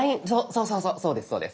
そうそうそうですそうです。